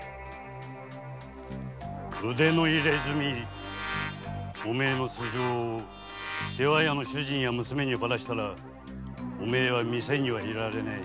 腕の入墨お前の素性を出羽屋の主人や娘にバラしたらお前は店にはいられねえ。